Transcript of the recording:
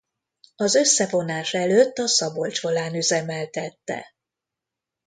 Az összevonás előtt a Szabolcs Volán üzemeltette.